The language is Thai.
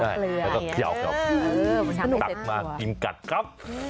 ใช่แล้วก็เขียวเออมันชักไม่เสร็จตัวตัดมากกินกัดครับ